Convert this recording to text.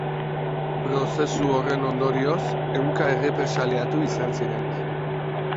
Prozesu horren ondorioz, ehunka errepresaliatu izan ziren.